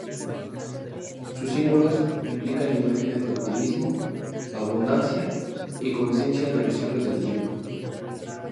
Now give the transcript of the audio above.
Sus símbolos implican imágenes de optimismo, abundancia y conciencia de los ciclos del tiempo.